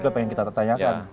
itu juga pengen kita tanyakan